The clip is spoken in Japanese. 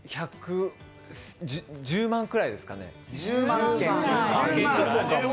１０万くらいですかね？